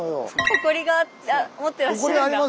誇りが持ってらっしゃるんだ。